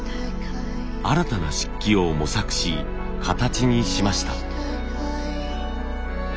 新たな漆器を模索し形にしました。